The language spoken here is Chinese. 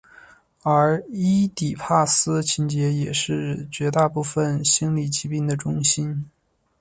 而伊底帕斯情结也是绝大部分心理疾病的中心。